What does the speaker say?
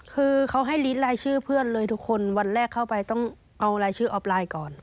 คือเขาให้ลิดรายชื่อเพื่อนเลยทุกคนวันแรกเข้าไปต้องเอารายชื่อออฟไลน์ก่อน